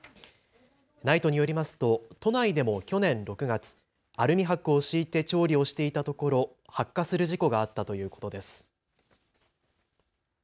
ＮＩＴＥによりますと都内でも去年６月、アルミはくを敷いて調理をしていたところ発火する事故があったということです。